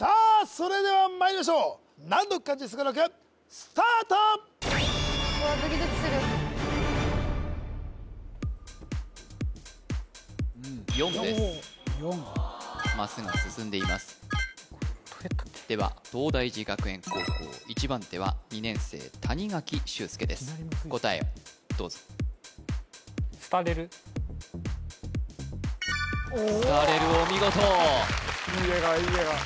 それではまいりましょう難読漢字すごろくスタートわドキドキする４です・４マスが進んでいますでは東大寺学園高校一番手は２年生谷垣柊輔です答えをどうぞすたれるお見事いい笑顔いい笑顔ああ